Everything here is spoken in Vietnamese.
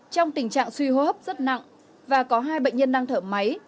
trong tình trạng suy hô hấp rất nặng và có hai bệnh nhân đang thở máy